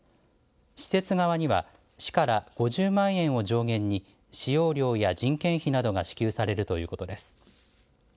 施設側には、市から５０万円を上限に使用料や人件費などが支給されるということです。